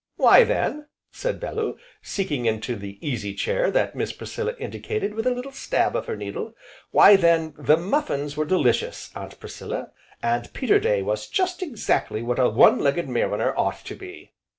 "Why then," said Bellew, sinking into the easy chair that Miss Priscilla indicated with a little stab of her needle, "why then the muffins were delicious, Aunt Priscilla, and Peterday was just exactly what a one legged mariner ought to be."